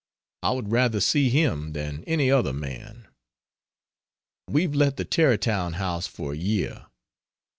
I would rather see him than any other man. We've let the Tarrytown house for a year.